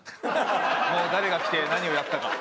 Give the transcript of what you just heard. もう誰が来て何をやったか。